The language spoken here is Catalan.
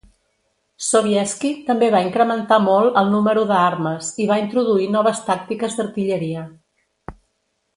Sobieski també va incrementar molt el número de armes i va introduir noves tàctiques d'artilleria.